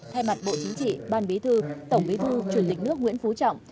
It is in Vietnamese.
thay mặt bộ chính trị ban bí thư tổng bí thư chủ tịch nước nguyễn phú trọng